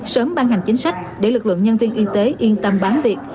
sớm ban hành chính sách để lực lượng nhân viên y tế yên tâm bám việc